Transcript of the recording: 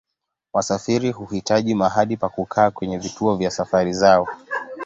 Wasafiri huhitaji mahali pa kukaa kwenye vituo vya safari zao.